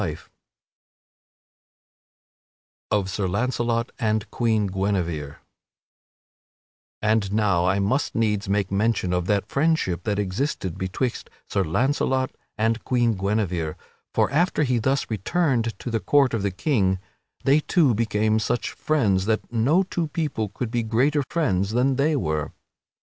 [Sidenote: Of Sir Launcelot and Queen Guinevere] And now I must needs make mention of that friendship that existed betwixt Sir Launcelot and Queen Guinevere, for after he thus returned to the court of the king, they two became such friends that no two people could be greater friends than they were.